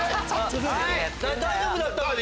大丈夫だったのに！